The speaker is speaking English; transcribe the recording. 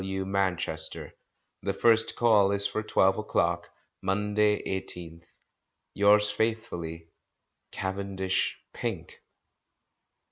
W. Manchester. The first Call is for twelve o'clock, Monday, 18th inst. — Yours faithfully, "Cavendish Pink."